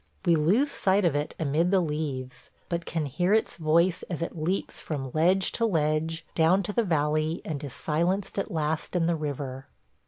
We lose sight of it amid the leaves, but can hear its voice as it leaps from ledge to ledge down to the valley and is silenced at last in the river.